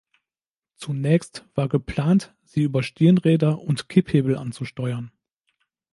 Zunächst war geplant, sie über Stirnräder und Kipphebel anzusteuern.